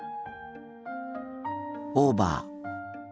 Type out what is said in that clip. オーバー。